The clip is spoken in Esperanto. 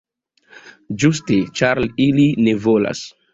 Ĝuste ĉar ili ne volas.